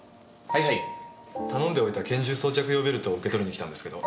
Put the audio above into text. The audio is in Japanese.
頼んでおいた拳銃装着用ベルトを受け取りに来たんですけど。